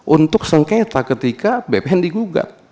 untuk sengketa ketika bpn digugat